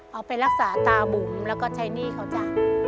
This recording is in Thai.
เอาไปรักษาตามุมเขาจะ